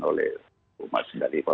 oleh mas daliwa